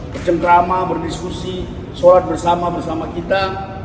bercengkrama berdiskusi sholat bersama bersama kita